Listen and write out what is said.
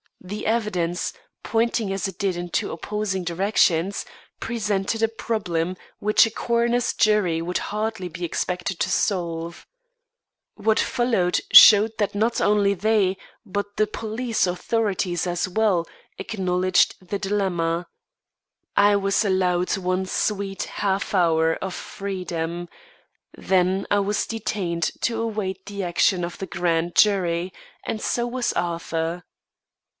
The evidence, pointing as it did in two opposing directions, presented a problem which a coroner's jury could hardly be expected to solve. What followed, showed that not only they but the police authorities as well, acknowledged the dilemma. I was allowed one sweet half hour of freedom, then I was detained to await the action of the grand jury, and so was Arthur.